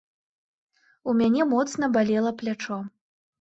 У мяне моцна балела плячо.